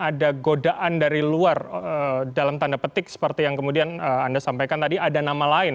ada godaan dari luar dalam tanda petik seperti yang kemudian anda sampaikan tadi ada nama lain